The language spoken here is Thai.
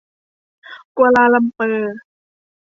กัวลาลัมเปอร์